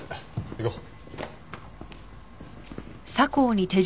行こう。